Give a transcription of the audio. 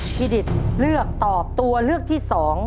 ดิตเลือกตอบตัวเลือกที่๒